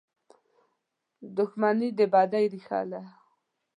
• دښمني د بدۍ ریښه ده.